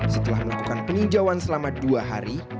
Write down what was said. setelah melakukan peninjauan selama dua hari